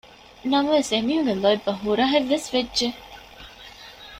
ނަމަވެސް އެމީހުންގެ ލޯތްބަށް ހުރަހެއްވެސް ވެއްޖެ